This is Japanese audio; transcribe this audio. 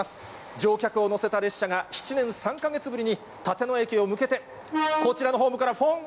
乗客を乗せた列車が７年３か月ぶりに、立野駅へ向けて、こちらのホームからフォン！